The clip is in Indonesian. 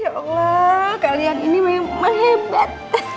ya allah kalian ini memang hebat